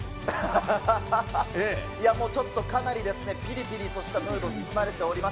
もうちょっとかなり、ぴりぴりとしたムードに包まれております。